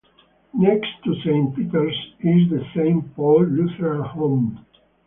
Next to Saint Peter's is the Saint Paul Lutheran Home.